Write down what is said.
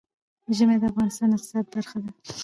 ژمی د افغانستان د اقتصاد برخه ده.